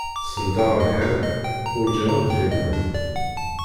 Senndeɣ ar lḥiḍ, urǧiɣ ad d-tbineḍ.